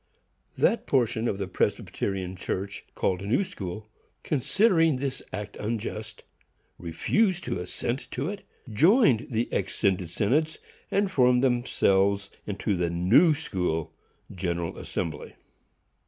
That portion of the Presbyterian Church called New School, considering this act unjust, refused to assent to it, joined the exscinded synods, and formed themselves into the New School General Assembly.